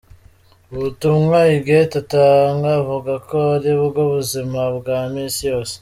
Ubutumwa Huguette atanga avuga ko ari ubwo mu buzima bwa misi yose.